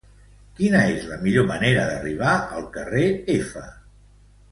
Quina és la millor manera d'arribar al carrer F?